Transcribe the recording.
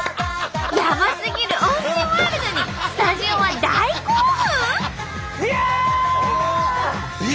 やばすぎる温泉ワールドにスタジオは大興奮！？